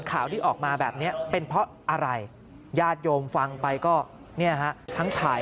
ข่าวที่ออกมาแบบนี้เป็นเพราะอะไรญาติโยมฟังไปก็เนี่ยฮะทั้งถ่าย